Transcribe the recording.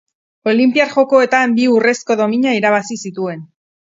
Olinpiar Jokoetan bi urrezko domina irabazi zituen.